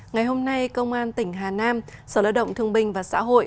ngày hôm nay công an tỉnh hà nam sở lợi động thương bình và xã hội